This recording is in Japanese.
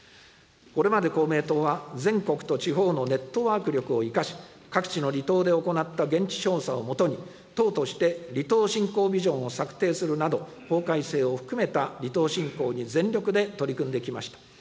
これまで公明党は、全国と地方のネットワーク力を生かし、各地の離島で行った現地調査を基に、党として、離島振興ビジョンを策定するなど、法改正を含めた離島振興に全力で取り組んできました。